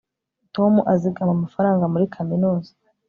tom azigama amafaranga muri kaminuza